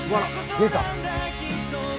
出た。